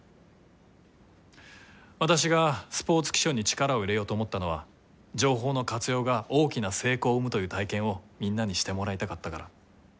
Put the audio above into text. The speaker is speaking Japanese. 私がスポーツ気象に力を入れようと思ったのは情報の活用が大きな成功を生むという体験をみんなにしてもらいたかったから。